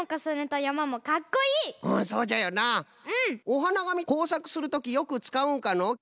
おはながみこうさくするときよくつかうんかの？